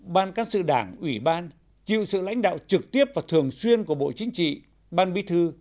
ban cán sự đảng ủy ban chịu sự lãnh đạo trực tiếp và thường xuyên của bộ chính trị ban bí thư